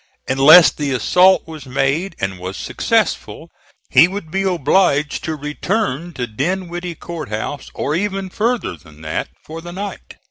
Unless the assault was made and was successful, he would be obliged to return to Dinwiddie Court House, or even further than that for the night.